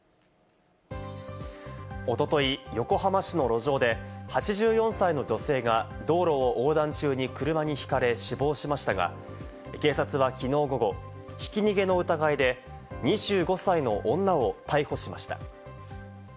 おととい、横浜市の路上で８４歳の女性が道路を横断中に車にひかれ死亡しましたが、警察はきのう午後、ひき逃げの疑いで、２５歳の女を逮捕しました。